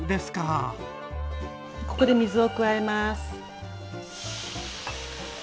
ここで水を加えます。